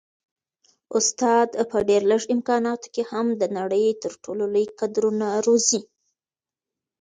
استاد په ډېر لږ امکاناتو کي هم د نړۍ تر ټولو لوی کدرونه روزي.